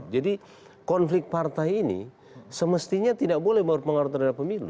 jadi konflik partai ini semestinya tidak boleh berpengaruh terhadap pemilu